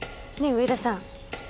上田さん